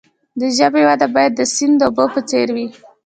د ژبې وده باید د سیند د اوبو په څیر وي.